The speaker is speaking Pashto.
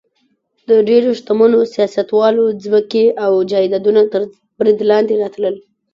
د ډېرو شتمنو سیاستوالو ځمکې او جایدادونه تر برید لاندې راتلل.